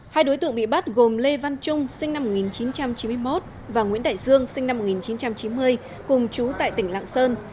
hai đối tượng bị bắt gồm lê văn trung sinh năm một nghìn chín trăm chín mươi một và nguyễn đại dương sinh năm một nghìn chín trăm chín mươi cùng chú tại tỉnh lạng sơn